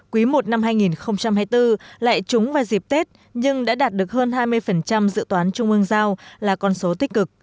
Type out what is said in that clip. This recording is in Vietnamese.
quý i năm hai nghìn hai mươi bốn lại trúng vào dịp tết nhưng đã đạt được hơn hai mươi dự toán trung ương giao là con số tích cực